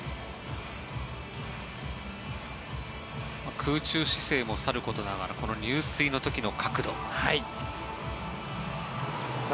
空中姿勢もさることながら入水の時の角度。